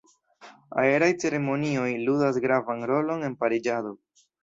Aeraj ceremonioj ludas gravan rolon en pariĝado.